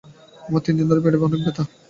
আমার তিন দিন ধরে পেটে অনেক ব্যথা।